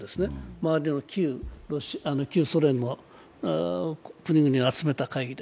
周りの旧ソ連の国々を集めた会議で。